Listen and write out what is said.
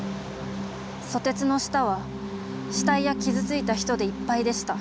ソテツの下は死体や傷ついた人でいっぱいでした」。